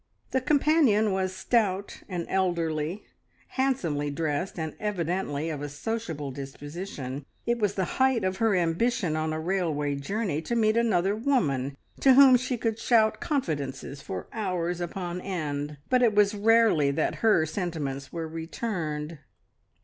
The companion was stout and elderly, handsomely dressed, and evidently of a sociable disposition. It was the height of her ambition on a railway journey to meet another woman to whom she could shout confidences for hours upon end, but it was rarely that her sentiments were returned.